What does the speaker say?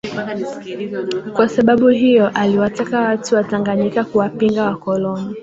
kwa sababu hiyo aliwataka watu wa Tanganyika kuwapinga wakoloni